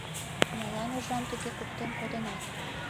Молан уржам тыге куктен коденат?!.